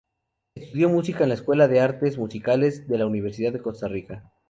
Estudió música en la Escuela de Artes Musicales de la Universidad de Costa Rica.